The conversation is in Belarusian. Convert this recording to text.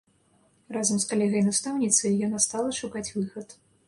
Разам з калегай-настаўніцай яна стала шукаць выхад.